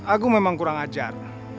aku memang kurang ajar